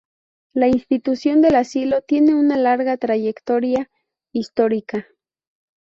La institución del asilo tiene una larga trayectoria histórica.